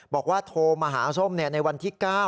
บอกว่าโทรมาหาส้มในวันที่๙